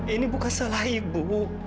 ini bukan salah ibu